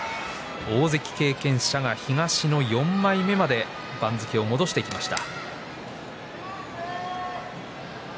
大関経験者が東の４枚目まで番付を戻してきました。